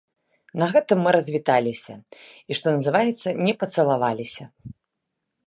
На гэтым мы развіталіся і, што называецца, не пацалаваліся.